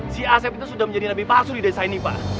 si asep itu sudah menjadi nabi palsu di desa ini pak